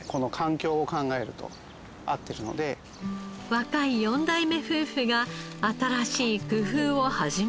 若い４代目夫婦が新しい工夫を始めた訳。